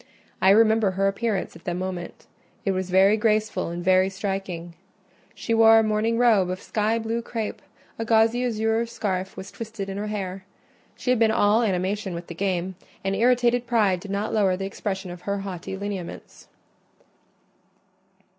I remember her appearance at the moment—it was very graceful and very striking: she wore a morning robe of sky blue crape; a gauzy azure scarf was twisted in her hair. She had been all animation with the game, and irritated pride did not lower the expression of her haughty lineaments.